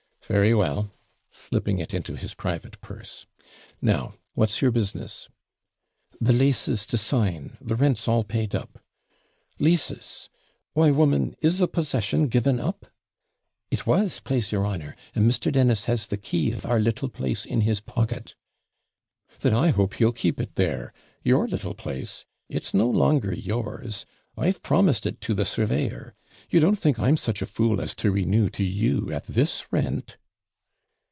'Very well,' slipping it into his private purse. 'Now, what's your business?' 'The LASES to sign the rent's all paid up.' 'Leases! Why, woman, is the possession given up?' 'It was, PLASE your honour; and Mr. Dennis has the key of our little place in his pocket.' 'Then I hope he'll keep it there. YOUR little place it's no longer yours; I've promised it to the surveyor. You don't think I'm such a fool as to renew to you at this rent.'